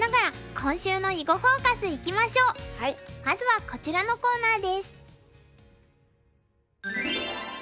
まずはこちらのコーナーです。